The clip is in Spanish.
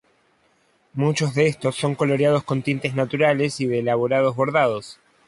Muchos de estos son coloreados con tintes naturales y de elaborados bordados.